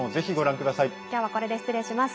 今日はこれで失礼します。